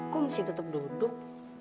kok mesti tetap duduk